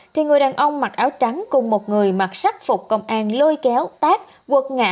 thì người đàn ông mặc áo trắng cùng một người mặc sắc phục công an lôi kéo tác quật ngã